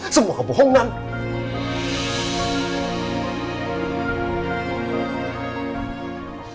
aku merasa itu adalah kebohongan yang tidak bisa diselamatkan